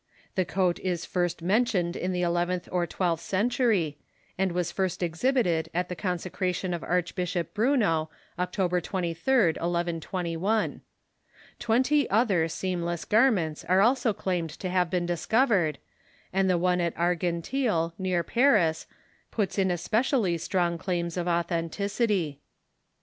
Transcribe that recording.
The coat is first men tioned in the eleventh or twelfth century, and was first ex hibited at the consecration of Archbishop Bruno, October 23d, 1121. Twenty other seamless garments are also claimed to have been discovered, and the one at Argenteuil, near Paris, puts in especially strong claims of authenticity.